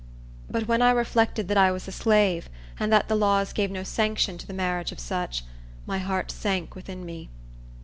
But when I reflected that I was a slave, and that the laws gave no sanction to the marriage of such, my heart sank within me.